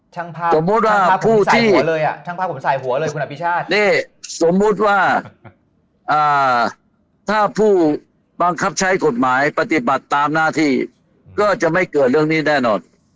จะผ่าผมใส่หัวเลยะว่าถ้าผู้บังคับใช้กฎหมายปฏิบัติตามหน้าทีก็จะไม่เกิดเรื่องนี้ได้นอน